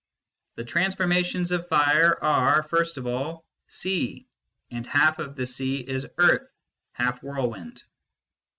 " The transformations of Fire are, first of all, sea ; and half of the sea is earth, half whirlwind."